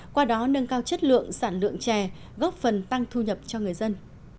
qua đó nâng cao chất lượng sản lượng chè góp phần tăng thu nhập cho người dân